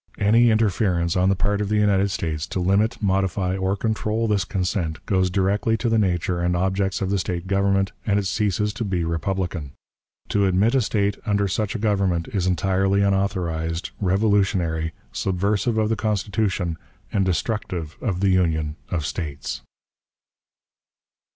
Any interference on the part of the United States to limit, modify, or control this consent goes directly to the nature and objects of the State government, and it ceases to be republican. To admit a State under such a government is entirely unauthorized, revolutionary, subversive of the Constitution, and destructive of the Union of States.